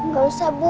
gak usah bu